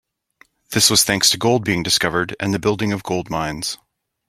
This was thanks to gold being discovered and the building of gold mines.